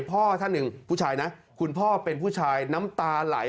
พ่อท่านหนึ่งผู้ชายนะคุณพ่อเป็นผู้ชายน้ำตาไหล